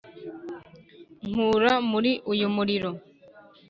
Nkura muri uyu muriro